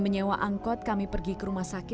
sene yang tidak bisa bergerak sama sekali